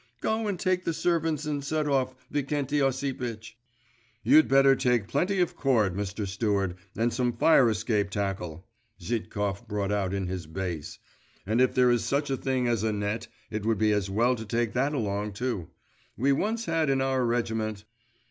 Go and take the servants and set off, Vikenty Osipitch!' 'You'd better take plenty of cord, Mr. Steward, and some fire escape tackle,' Zhitkov brought out in his bass 'and if there is such a thing as a net, it would be as well to take that along too. We once had in our regiment.